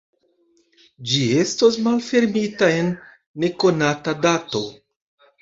Ĝi estos malfermita en nekonata dato.